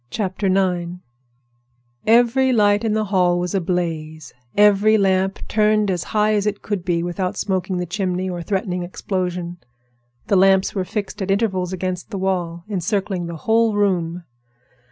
IX Every light in the hall was ablaze; every lamp turned as high as it could be without smoking the chimney or threatening explosion. The lamps were fixed at intervals against the wall, encircling the whole room.